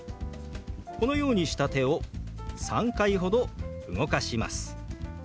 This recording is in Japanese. このようにした手を３回ほど動かします。